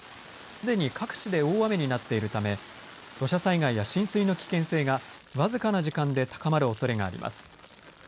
すでに各地で大雨になっているため土砂災害や浸水の危険性が僅かな時間で高まるおそれがあります。